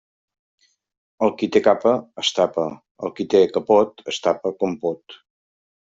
El qui té capa es tapa; el qui té capot es tapa com pot.